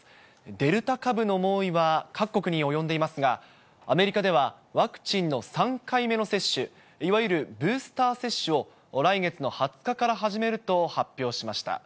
デルタ株の猛威は各国に及んでいますが、アメリカではワクチンの３回目の接種、いわゆるブースター接種を来月の２０日から始めると発表しました。